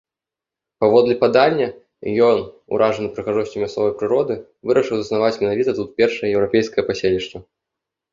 Паводле падання, ён, уражаны прыгажосцю мясцовай прыроды, вырашыў заснаваць менавіта тут першае еўрапейскае паселішча.